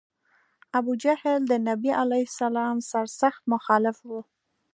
ابوجهل د نبي علیه السلام سر سخت مخالف و.